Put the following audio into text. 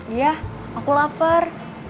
iya aku lapar